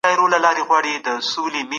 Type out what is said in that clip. فشار د ارام وخت ګډوډوي.